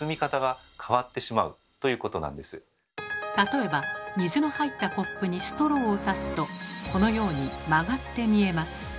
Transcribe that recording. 例えば水の入ったコップにストローをさすとこのように曲がって見えます。